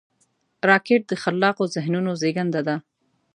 راکټ د خلاقو ذهنونو زیږنده ده